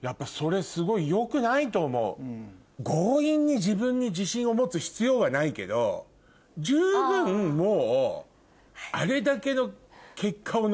強引に自分に自信を持つ必要はないけど十分もう。